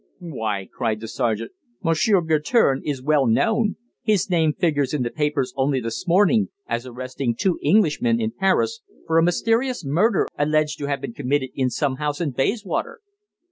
"Why," cried the sergeant, "Monsieur Guertin is well known! His name figures in the papers only this morning as arresting two Englishmen in Paris for a mysterious murder alleged to have been committed in some house in Bayswater!"